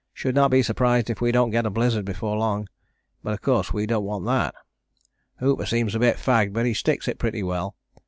Should not be surprised if we don't get a blizzard before long, but of course we don't want that. Hooper seems a bit fagged but he sticks it pretty well.